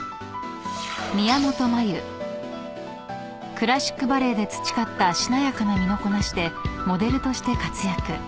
［クラシックバレエで培ったしなやかな身のこなしでモデルとして活躍］